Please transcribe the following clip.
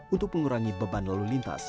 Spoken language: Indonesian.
untuk mengurangi beban lalu lintas